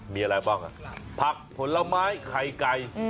มีอะไรบ้างผักผลไม้ไข่ไก่